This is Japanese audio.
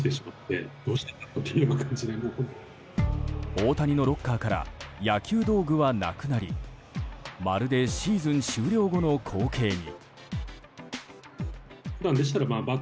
大谷のロッカーから野球道具はなくなりまるでシーズン終了後の光景に。